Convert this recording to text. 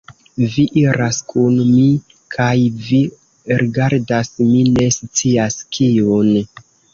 Vi iras kun mi, kaj vi rigardas mi ne scias kiun.